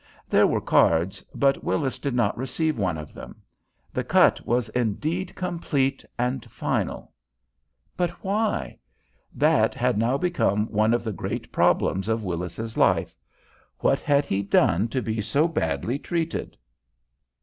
There were cards, but Willis did not receive one of them. The cut was indeed complete and final. But why? That had now become one of the great problems of Willis's life. What had he done to be so badly treated?